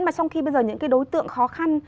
mà trong khi bây giờ những cái đối tượng khó khăn